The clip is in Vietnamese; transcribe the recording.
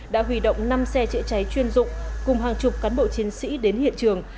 đã hủy động năm xe chữa cháy chuyên dụng cùng hàng chục cán bộ chiến sĩ đến hiện trường